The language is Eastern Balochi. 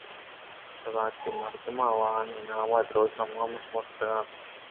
بزاں کہ مردماں آوانی نام ءُدرٛوشم ہم شمشتگ اِت اَنت